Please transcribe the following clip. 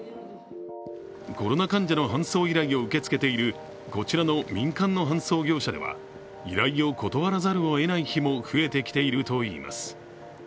コロナ患者の搬送依頼を受け付けているこちらの民間の搬送業者では依頼を断らざるをえない日も増えてきているといいます。